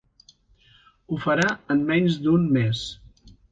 Ho farà en menys d'un mes.